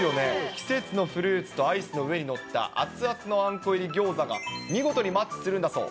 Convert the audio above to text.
季節のフルーツとアイスの上に載った、熱々のあんこ入りギョーザが見事にマッチするんだそう。